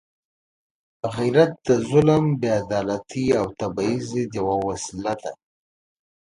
غیرت د ظلم، بېعدالتۍ او تبعیض ضد یوه وسله ده.